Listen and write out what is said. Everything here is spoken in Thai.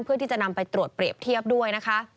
เพื่อที่จะนำไปตรวจเปรียบเทียบด้วยนะคะ